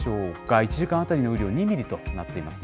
１時間当たりの雨量、２ミリとなっていますね。